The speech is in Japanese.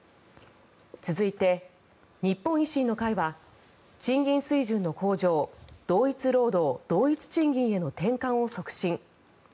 続いて、日本維新の会は賃金水準の向上同一労働同一賃金への転換を促進。